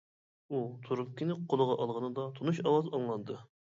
ئۇ تۇرۇپكىنى قولىغا ئالغىنىدا تونۇش ئاۋاز ئاڭلاندى.